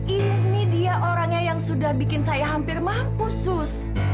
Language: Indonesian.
ini dia orangnya yang sudah bikin saya hampir mah khusus